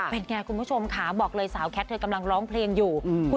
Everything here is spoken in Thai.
เป็นเลยว่าแบบนี้ไม่น่ารักนะคะ